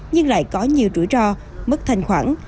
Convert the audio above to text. nhưng lại có nhiều rủi ro mất thành khoản